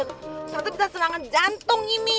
tante bisa semangat jantung ini